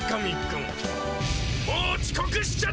もうちこくしちゃダメ！